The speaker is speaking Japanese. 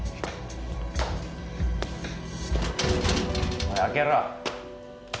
おい開けろ。